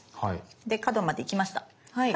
で角まで行きました。